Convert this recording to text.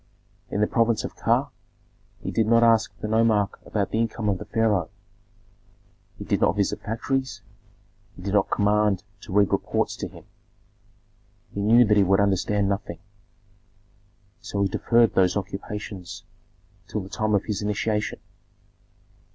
In the province of Ka he did not ask the nomarch about the income of the pharaoh, he did not visit factories, he did not command to read reports to him; he knew that he would understand nothing, so he deferred those occupations till the time of his initiation.